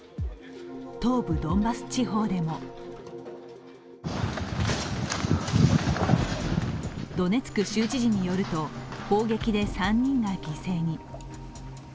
東部ドンバス地方でもドネツク州知事によると、砲撃で３人が犠牲に。